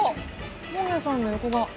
本屋さんの横が。